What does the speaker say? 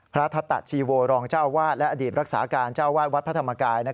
ทัตตะชีโวรองเจ้าอาวาสและอดีตรักษาการเจ้าวาดวัดพระธรรมกาย